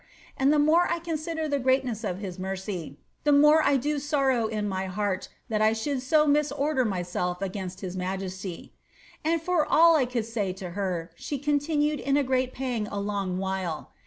And the more I consider the grcil* ness of his mercy, the more 1 do sorrow in my heart that I should so mis ordet myself against his majesty.' "And for all I could say to her. she continued in a great pang a long while.